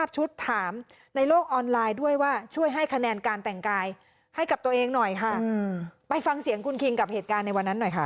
ถามในโลกออนไลน์ด้วยว่าช่วยให้คะแนนการแต่งกายให้กับตัวเองหน่อยค่ะไปฟังเสียงคุณคิงกับเหตุการณ์ในวันนั้นหน่อยค่ะ